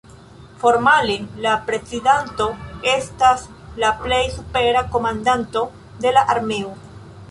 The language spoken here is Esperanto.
Formale la prezidanto estas la plej supera komandanto de la armeo.